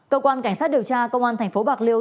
cơ quan cảnh sát điều tra công an thành phố bạc liêu